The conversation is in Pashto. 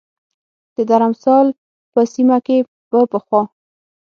د درمسال په سیمه کې به پخوا